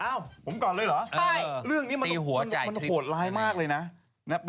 ผมก่อนเลยเหรอใช่เรื่องนี้มันโหดร้ายมากเลยนะ